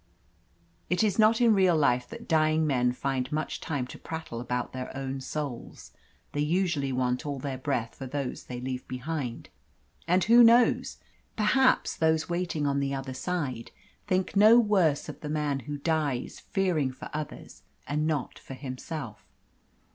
It is not in real life that dying men find much time to prattle about their own souls. They usually want all their breath for those they leave behind. And who knows! Perhaps those waiting on the other side think no worse of the man who dies fearing for others and not for himself.